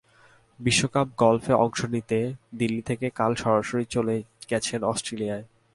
বিশ্বকাপ গলফে অংশ নিতে দিল্লি থেকেই কাল সরাসরি চলে গেছেন অস্ট্রেলিয়ায়।